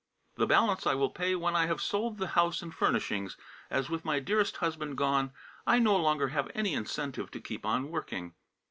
The balance I will pay when I have sold the house and furnishings, as with my dearest husband gone I no longer have any incentive to keep on working.